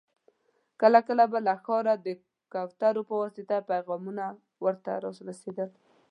کله کله به له ښاره د کوترو په واسطه پيغامونه ور ته را رسېدل.